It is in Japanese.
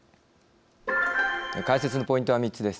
解説のポイントは３つです。